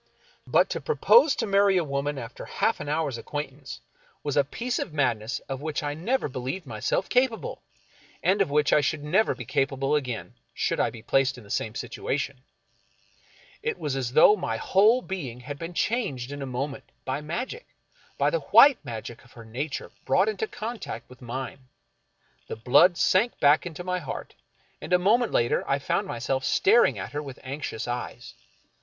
But to propose to marry a woman after half an hour's acquaintance was a 38 F. Marion Crawford piece of madness of which I never beheved myself capable, and of which I should never be capable again, could I be placed in the same situation. It was as though my whole being had been changed in a moment by magic — by the white magic of her nature brought into contact with mine. The blood sank back to my heart, and a moment later I found myself staring at her with anxious eyes.